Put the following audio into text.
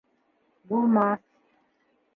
Булмаҫ.